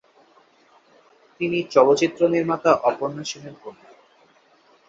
তিনি চলচ্চিত্র নির্মাতা অপর্ণা সেনের কন্যা।